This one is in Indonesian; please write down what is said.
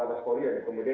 demikian saya kira kira